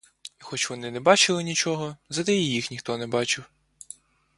І хоч вони не бачили нічого, зате і їх ніхто не бачив.